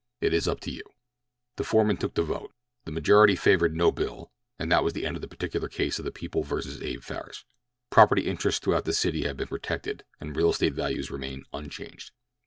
It is up to you." The foreman took the vote. A majority favored no bill, and that was the end of that particular case of the People vs. Abe Farris. Property interests throughout the city had been protected and real estate values remained unchanged.